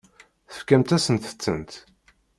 Tefkamt-asent-tent?